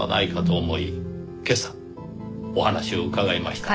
今朝お話を伺いました。